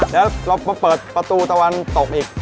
แล้วเรามาเปิดประตูตะวันตกอีก